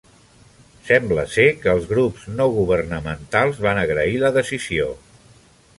Sembla ser que els grups no governamentals van agrair la decisió.